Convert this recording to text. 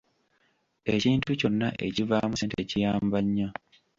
Ekintu kyonna ekivaamu ssente kiyambannyo.